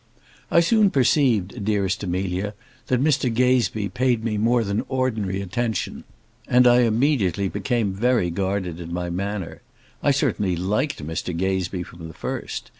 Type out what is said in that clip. I soon perceived, dearest Amelia, that Mr Gazebee paid me more than ordinary attention, and I immediately became very guarded in my manner. I certainly liked Mr Gazebee from the first.